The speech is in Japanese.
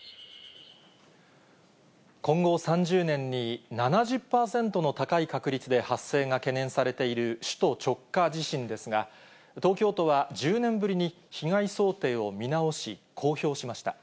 今後３０年に７０％の高い確率で発生が懸念されている、首都直下地震ですが、東京都は１０年ぶりに、被害想定を見直し、公表しました。